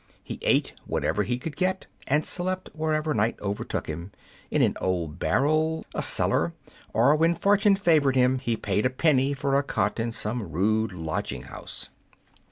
He ate whatever he could get, and slept wherever night overtook him in an old barrel, a cellar, or, when fortune favored him, he paid a penny for a cot in some rude lodging house.